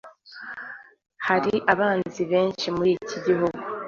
hari abanzi benshi muri iki gihugu